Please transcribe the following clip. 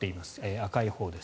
赤いほうです。